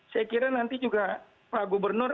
saya kira nanti juga pak gubernur